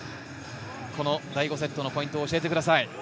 第５セットのポイントを教えてください。